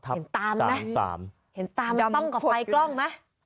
มันต้องกับไฟกล้องไหม